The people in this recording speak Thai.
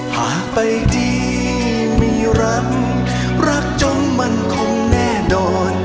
หากไปที่มีรักรักจนมันคงแน่นอน